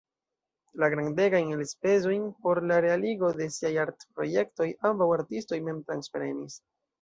La grandegajn elspezojn por la realigo de siaj artprojektoj ambaŭ artistoj mem transprenis.